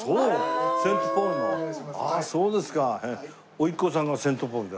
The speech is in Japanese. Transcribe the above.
おいっ子さんがセントポールで。